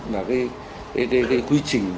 và cái quy trình